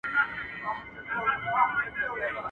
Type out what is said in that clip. چي پاچا وي څوک په غېږ کي ګرځولی.